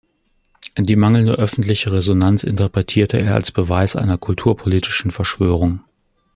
Die mangelnde öffentliche Resonanz interpretierte er als Beweis einer „kulturpolitischen Verschwörung“.